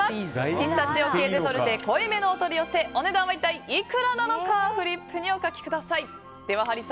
ピスタチオ・ケーゼ・トルテ濃いめのお取り寄せお値段は一体いくらなのかフリップにお書きください。